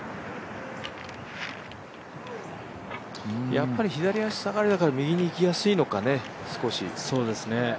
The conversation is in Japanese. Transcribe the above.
やっぱり左足下がりだから右にいきやすいのかね、少し。